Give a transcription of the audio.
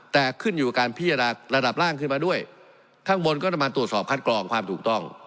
แต่ขึ้นอยู่กับการพิจารณาระดับล่างขึ้นมาด้วยข้างบนก็ต้องมาตรวจสอบคัดกรองความถูกต้อง